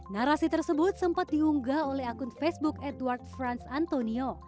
narasi tersebut sempat diunggah oleh akun facebook edward franz antonio